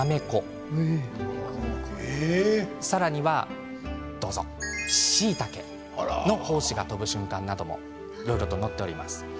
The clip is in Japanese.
さらには、しいたけの胞子が飛ぶ瞬間なども載っております。